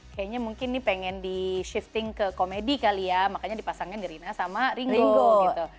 kayaknya mungkin nih pengen di shifting ke komedi kali ya makanya dipasangin rina sama ringego gitu